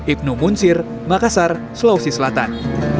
ibnu munsyir makassar selawesi selatan